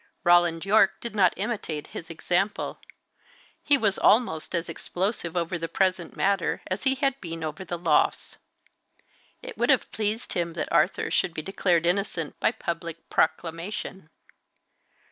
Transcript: Roland Yorke did not imitate his example; he was almost as explosive over the present matter as he had been over the loss. It would have pleased him that Arthur should be declared innocent by public proclamation.